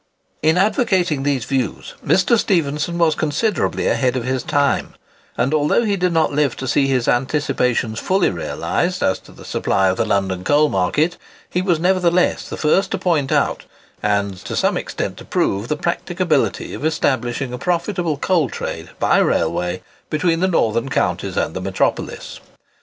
In advocating these views, Mr. Stephenson was considerably ahead of his time; and although he did not live to see his anticipations fully realised as to the supply of the London coal market, he was nevertheless the first to point out, and to some extent to prove, the practicability of establishing a profitable coal trade by railway between the northern counties and the metropolis.